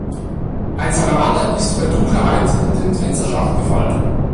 Ein Salamander ist bei Dunkelheit in den Fensterschacht gefallen.